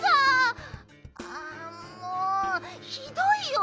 あもうひどいよ！